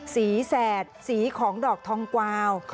แฝดสีของดอกทองกวาว